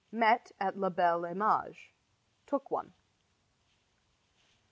Met at La Belle Image. Took one.